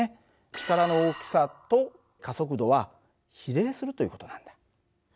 力の大きさと加速度は比例するという事なんだ。